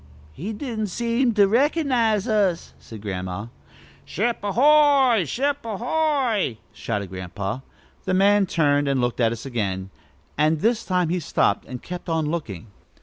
"He don't seem to recognize us," said Grandma. "Ship a hoy! Ship a hoy!" shouted Grandpa. The man turned and looked at us again, and this time he stopped and kept on looking.